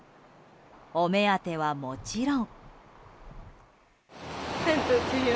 お目当てはもちろん。